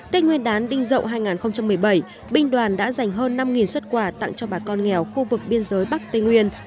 tết nguyên đán đinh dậu hai nghìn một mươi bảy binh đoàn đã dành hơn năm xuất quà tặng cho bà con nghèo khu vực biên giới bắc tây nguyên